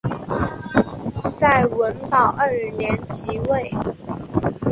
在文保二年即位。